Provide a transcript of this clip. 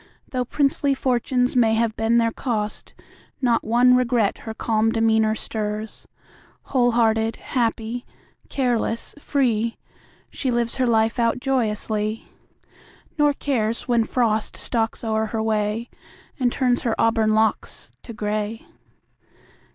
Though princely fortunes may have been their cost, Not one regret her calm demeanor stirs. Whole hearted, happy, careless, free, She lives her life out joyously, Nor cares when Frost stalks o'er her way And turns her auburn locks to gray.